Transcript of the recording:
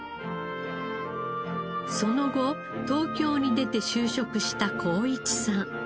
その後東京に出て就職した晃一さん。